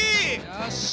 よし！